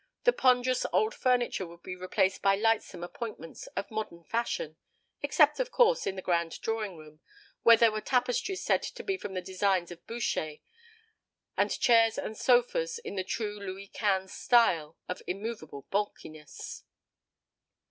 The ponderous old furniture would be replaced by lightsome appointments of modern fashion; except, of course, in the grand drawing room, where there were tapestries said to be from the designs of Boucher, and chairs and sofas in the true Louis Quinze style, of immovable bulkiness.